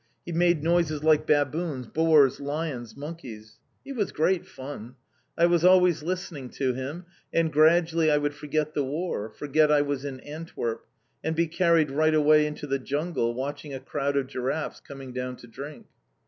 He made noises like baboons, boars, lions, monkeys. He was great fun. I was always listening to him, and gradually I would forget the War, forget I was in Antwerp, and be carried right away into the jungle watching a crowd of giraffes coming down to drink.